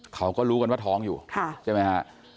เขาก็รู้กันว่าท้องอยู่ใช่ไหมฮะ